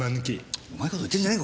うまい事言ってんじゃねえ！